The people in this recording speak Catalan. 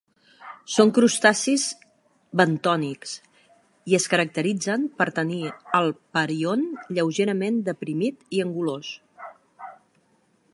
Són crustacis bentònics i es caracteritzen per tenir el perèion lleugerament deprimit i angulós.